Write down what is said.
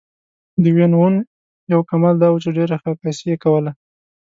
د وین وون یو کمال دا و چې ډېره ښه عکاسي یې کوله.